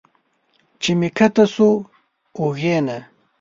چې مې ښکته شو اوږې نه